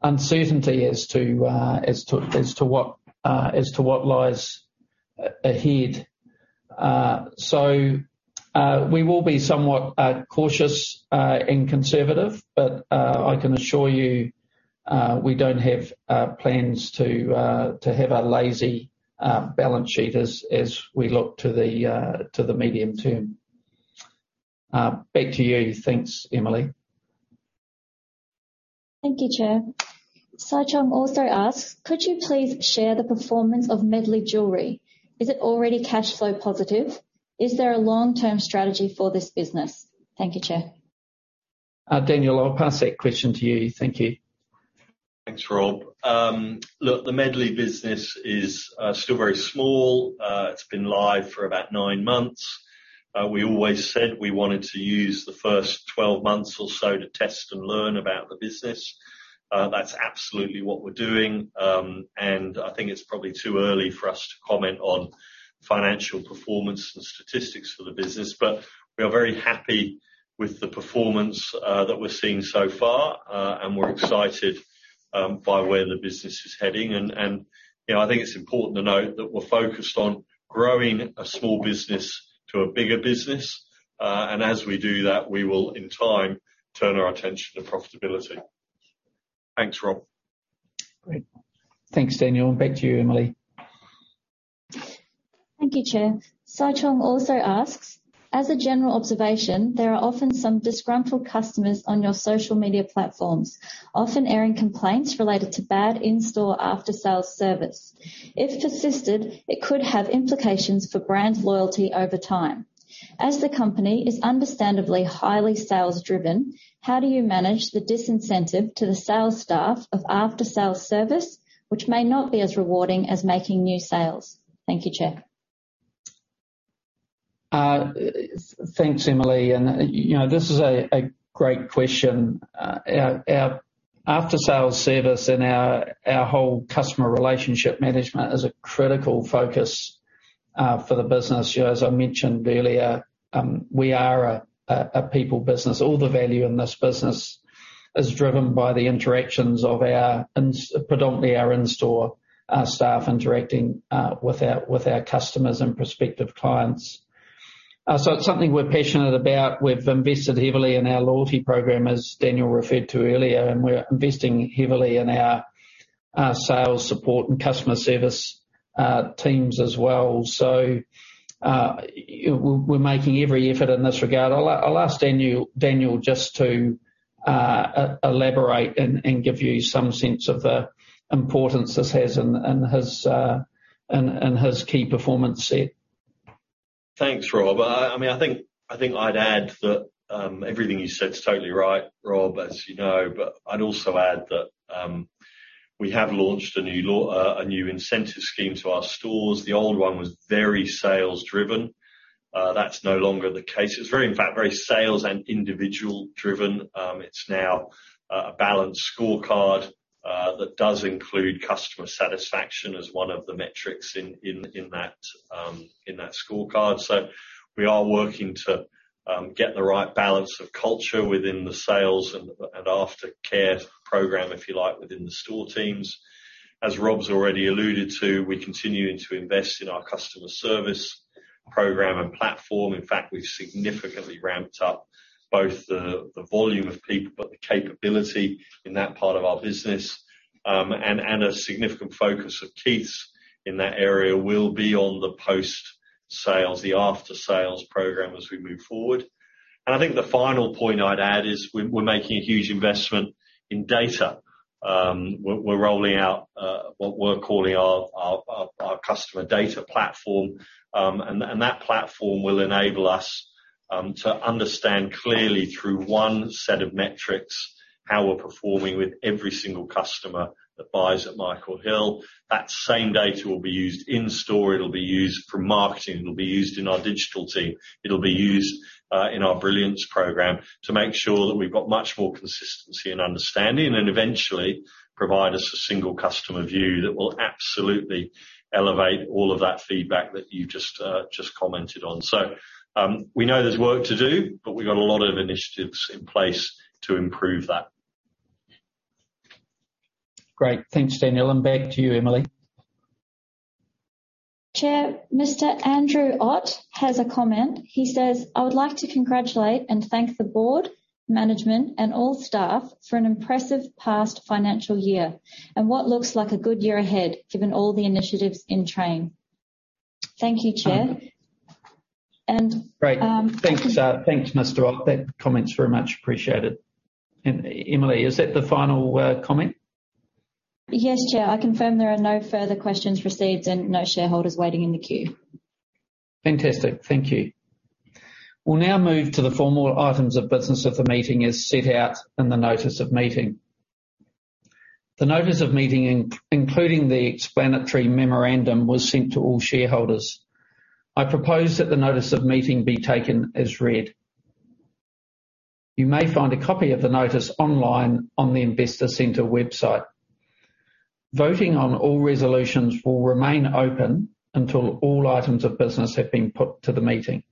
uncertainty as to what lies ahead. We will be somewhat cautious and conservative, but I can assure you, we don't have plans to have a lazy balance sheet as we look to the medium term. Back to you. Thanks, Emily. Thank you, Chair. Sai Chong Ah also asks, "Could you please share the performance of Medley Jewellery? Is it already cash flow positive? Is there a long-term strategy for this business?" Thank you, Chair. Daniel, I'll pass that question to you. Thank you. Thanks, Rob. Look, the Medley business is still very small. It's been live for about 9 months. We always said we wanted to use the first 12 months or so to test and learn about the business. That's absolutely what we're doing. I think it's probably too early for us to comment on financial performance and statistics for the business. We are very happy with the performance that we're seeing so far, and we're excited by where the business is heading. You know, I think it's important to note that we're focused on growing a small business to a bigger business, and as we do that, we will in time turn our attention to profitability. Thanks, Rob. Great. Thanks, Daniel. Back to you, Emily. Thank you, Chair. Sai Chong Ah also asks, "As a general observation, there are often some disgruntled customers on your social media platforms, often airing complaints related to bad in-store after-sales service. If persisted, it could have implications for brand loyalty over time. As the company is understandably highly sales driven, how do you manage the disincentive to the sales staff of after-sales service, which may not be as rewarding as making new sales?" Thank you, Chair. Thanks, Emily. You know, this is a great question. Our after-sales service and our whole customer relationship management is a critical focus for the business. You know, as I mentioned earlier, we are a people business. All the value in this business is driven by the interactions of our predominantly in-store staff interacting with our customers and prospective clients. It's something we're passionate about. We've invested heavily in our loyalty program, as Daniel referred to earlier, and we're investing heavily in our sales support and customer service teams as well. You know, we're making every effort in this regard. I'll ask Daniel just to elaborate and give you some sense of the importance this has in his key performance set. Thanks, Rob. I mean, I think I'd add that everything you said is totally right, Rob, as you know. I'd also add that we have launched a new incentive scheme to our stores. The old one was very sales driven. That's no longer the case. It's very, in fact, very sales and individual driven. It's now a balanced scorecard that does include customer satisfaction as one of the metrics in that scorecard. We are working to get the right balance of culture within the sales and aftercare program, if you like, within the store teams. As Rob's already alluded to, we're continuing to invest in our customer service program and platform. In fact, we've significantly ramped up both the volume of people, but the capability in that part of our business. A significant focus of Keith's in that area will be on the post-sales, the after-sales program as we move forward. I think the final point I'd add is we're making a huge investment in data. We're rolling out what we're calling our customer data platform. That platform will enable us to understand clearly through one set of metrics how we're performing with every single customer that buys at Michael Hill. That same data will be used in store. It'll be used for marketing. It'll be used in our digital team. It'll be used in our Brilliance program to make sure that we've got much more consistency and understanding, and eventually provide us a single customer view that will absolutely elevate all of that feedback that you just commented on. We know there's work to do, but we've got a lot of initiatives in place to improve that. Great. Thanks, Daniel, and back to you, Emily. Chair, Mr. Andrew Savvas Romanidis-Ott has a comment. He says, "I would like to congratulate and thank the board, management, and all staff for an impressive past financial year and what looks like a good year ahead, given all the initiatives in train." Thank you, Chair. Great. Thanks, Mr. Ott. That comment's very much appreciated. Emily, is that the final comment? Yes, Chair. I confirm there are no further questions received and no shareholders waiting in the queue. Fantastic. Thank you. We'll now move to the formal items of business of the meeting as set out in the notice of meeting. The notice of meeting including the explanatory memorandum was sent to all shareholders. I propose that the notice of meeting be taken as read. You may find a copy of the notice online on the Investor Centre website. Voting on all resolutions will remain open until all items of business have been put to the meeting.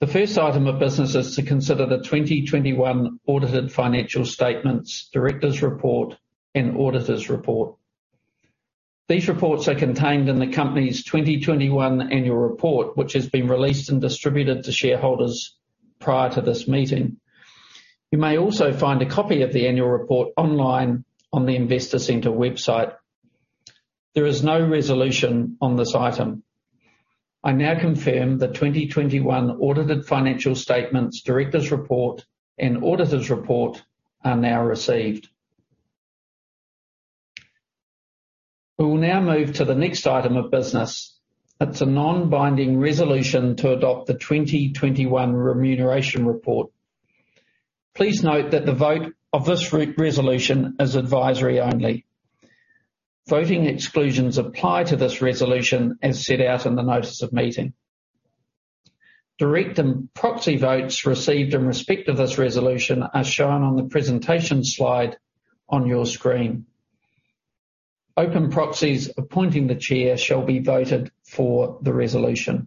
The first item of business is to consider the 2021 audited financial statements, directors' report, and auditors' report. These reports are contained in the company's 2021 annual report, which has been released and distributed to shareholders prior to this meeting. You may also find a copy of the annual report online on the Investor Centre website. There is no resolution on this item. I now confirm the 2021 audited financial statements, directors' report, and auditors' report are now received. We will now move to the next item of business. It's a non-binding resolution to adopt the 2021 remuneration report. Please note that the vote of this resolution is advisory only. Voting exclusions apply to this resolution as set out in the notice of meeting. Direct and proxy votes received in respect of this resolution are shown on the presentation slide on your screen. Open proxies appointing the chair shall be voted for the resolution.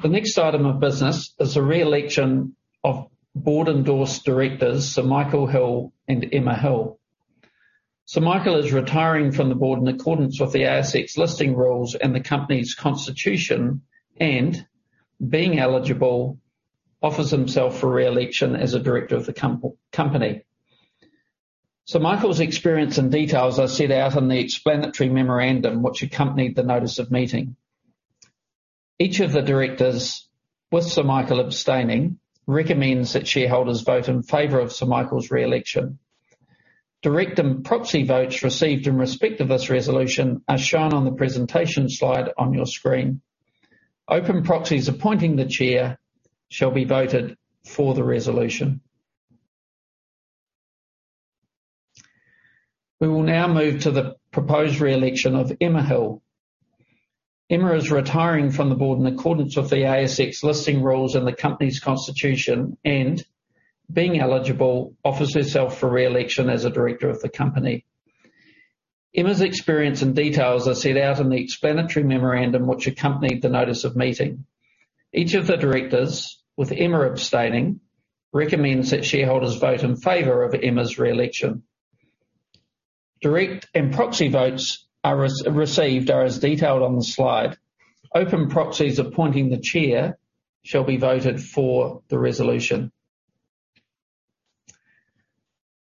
The next item of business is the reelection of board-endorsed directors, Sir Michael Hill and Emma Hill. Sir Michael is retiring from the board in accordance with the ASX Listing Rules and the company's constitution, and being eligible offers himself for reelection as a director of the company. Sir Michael's experience and details are set out in the explanatory memorandum which accompanied the notice of meeting. Each of the directors, with Sir Michael abstaining, recommends that shareholders vote in favor of Sir Michael's reelection. Direct and proxy votes received in respect of this resolution are shown on the presentation slide on your screen. Open proxies appointing the chair shall be voted for the resolution. We will now move to the proposed reelection of Emma Hill. Emma is retiring from the board in accordance with the ASX Listing Rules and the company's constitution, and being eligible, offers herself for reelection as a director of the company. Emma's experience and details are set out in the explanatory memorandum which accompanied the notice of meeting. Each of the directors, with Emma abstaining, recommends that shareholders vote in favor of Emma's reelection. Direct and proxy votes are received as detailed on the slide. Open proxies appointing the chair shall be voted for the resolution.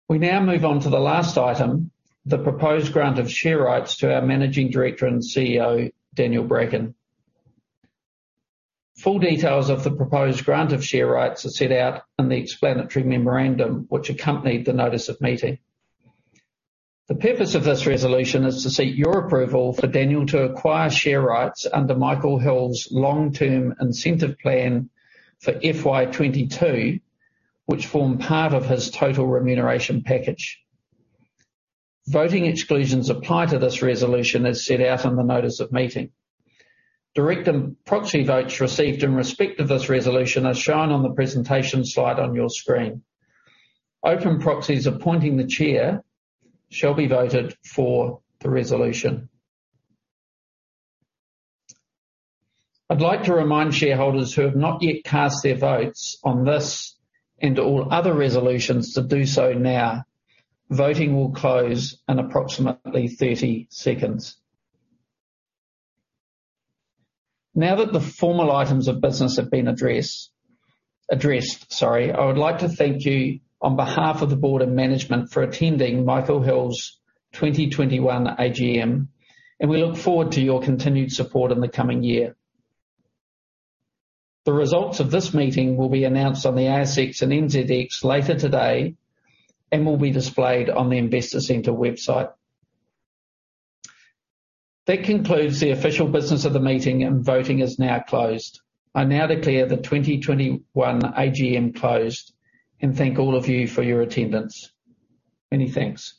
We now move on to the last item, the proposed grant of share rights to our Managing Director and CEO, Daniel Bracken. Full details of the proposed grant of share rights are set out in the explanatory memorandum which accompanied the notice of meeting. The purpose of this resolution is to seek your approval for Daniel to acquire share rights under Michael Hill's long-term incentive plan for FY 2022, which form part of his total remuneration package. Voting exclusions apply to this resolution, as set out in the notice of meeting. Direct and proxy votes received in respect of this resolution are shown on the presentation slide on your screen. Open proxies appointing the chair shall be voted for the resolution. I'd like to remind shareholders who have not yet cast their votes on this and all other resolutions to do so now. Voting will close in approximately 30 seconds. Now that the formal items of business have been addressed, sorry, I would like to thank you on behalf of the board and management for attending Michael Hill's 2021 AGM, and we look forward to your continued support in the coming year. The results of this meeting will be announced on the ASX and NZX later today and will be displayed on the Investor Centre website. That concludes the official business of the meeting, and voting is now closed. I now declare the 2021 AGM closed and thank all of you for your attendance. Many thanks.